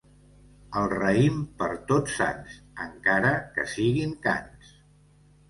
El raïm per Tots Sants, encara que siguin cants.